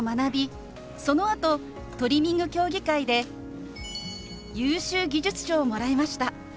そのあとトリミング競技会で優秀技術賞をもらいました。